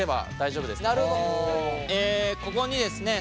えここにですね